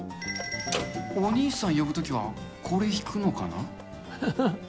お兄さん呼ぶときはこれ引くのかな？